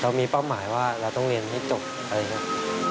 เรามีเป้าหมายว่าเราต้องเรียนให้จบอะไรอย่างนี้